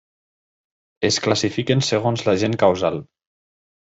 Es classifiquen segons l'agent causal.